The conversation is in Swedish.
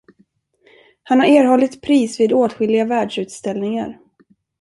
Han har erhållit pris vid åtskilliga världsutställningar.